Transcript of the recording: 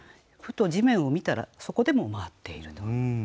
ふと地面を見たらそこでも回っていると。